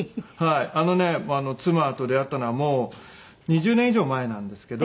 あのね妻と出会ったのはもう２０年以上前なんですけど。